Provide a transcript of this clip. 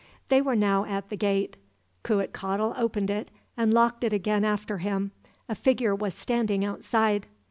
They were now at the gate. Cuitcatl opened it, and locked it again after him. A figure was standing outside.